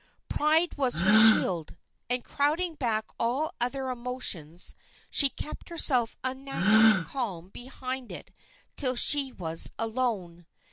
Pride was her shield, and crowding back all other emotions she kept herself unnaturally calm behind it till she was alone.